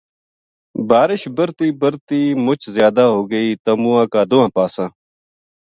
بارش برتی برہتی مُچ زیادہ ہو گئی تمواں کا دواں پاساں